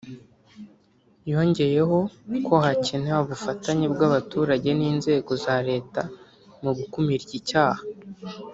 yongeyeho ko hakenewe ubufatanye bw’abaturage n’inzego za Leta mu gukumira iki cyaha